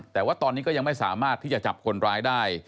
แต่ว่าตอนนี้ก็ยังไม่สามารถที่จะจับคนร้ายได้